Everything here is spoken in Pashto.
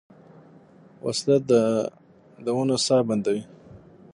وسله د ونو ساه بندوي